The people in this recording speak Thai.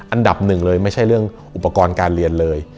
อันดับหนึ่งเลยไม่ใช่เรื่องอุปกรณ์การเรียนเลย